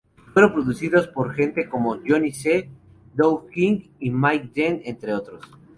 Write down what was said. Fueron producidos por gente como Johnny C, Doug King y Mike Dean entre otros.